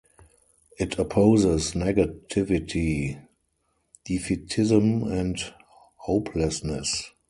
It opposes negativity, defeatism and hopelessness.